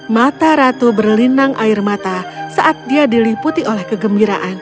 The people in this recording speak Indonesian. mata ratu berlinang air mata saat dia diliputi oleh kegembiraan